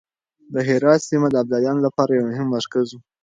د هرات سيمه د ابدالیانو لپاره يو مهم مرکز و.